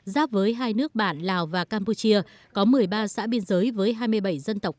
giáp với hai nước bản lào và campuchia có một mươi ba xã biên giới với hai mươi bảy dân tộc